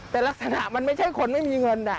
แต่ลักษณะมันไม่ใช่คนไม่มีเงิน